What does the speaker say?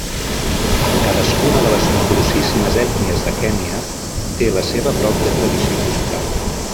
Cadascuna de les nombrosíssimes ètnies de Kenya té la seva pròpia tradició musical.